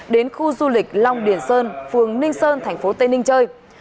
đến khu du lịch long điển sơn phường ninh sơn tp tây ninh chơi